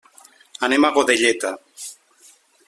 Anem a Godelleta.